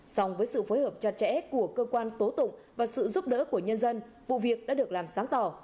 song với sự phối hợp chặt chẽ của cơ quan tố tụng và sự giúp đỡ của nhân dân vụ việc đã được làm sáng tỏ